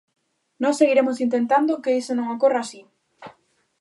Nós seguiremos intentando que iso non ocorra así.